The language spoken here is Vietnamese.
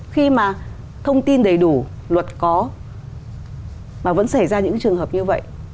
khi mà thông tin đầy đủ luật có mà vẫn xảy ra những trường hợp như vậy